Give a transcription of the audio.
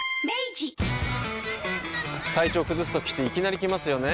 体調崩すときっていきなり来ますよね。